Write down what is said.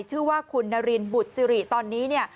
ชื่อว่าคุณนารินบุตรสิริตอนนี้เนี่ย